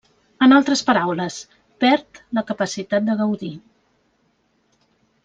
En altres paraules, perd la capacitat de gaudir.